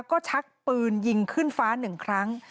ก็ชักปืนยิงขึ้นฟ้าหนึ่งครั้ง